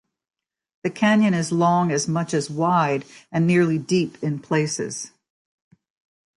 The "canyon" is long, as much as wide, and nearly deep in places.